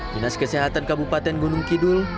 dinas kesehatan kabupaten gunung kidul